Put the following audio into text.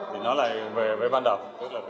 thì nó lại về ban đọc